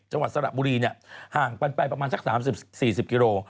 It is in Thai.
จังหวัดสระบุรีห่างกันไปประมาณสัก๓๐๔๐กิโล